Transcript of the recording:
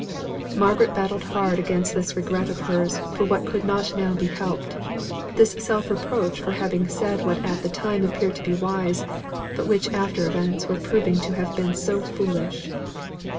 Margaret battled hard against this regret of hers for what could not now be helped; this self reproach for having said what at the time appeared to be wise, but which after events were proving to have been so foolish.